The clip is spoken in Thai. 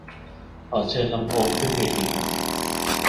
ขอเชิญลำโพงขึ้นเวทีครับ